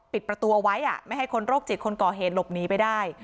ประตูเอาไว้ไม่ให้คนโรคจิตคนก่อเหตุหลบหนีไปได้